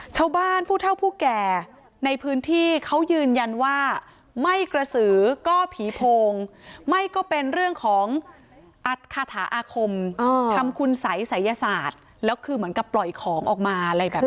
ชาวบ้านผู้เท่าผู้แก่ในพื้นที่เขายืนยันว่าไม่กระสือก็ผีโพงไม่ก็เป็นเรื่องของอัดคาถาอาคมทำคุณสัยศัยศาสตร์แล้วคือเหมือนกับปล่อยของออกมาอะไรแบบนี้